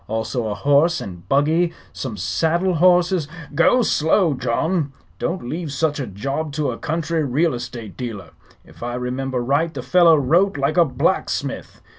Also a horse and buggy, some saddle horses " "Go slow, John. Don't leave such a job to a country real estate dealer. If I remember right the fellow wrote like a blacksmith.